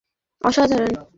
অসাধারণ, পলি, অসাধারণ!